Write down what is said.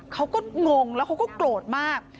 เขาก็งงและเขาก็โกรธมาก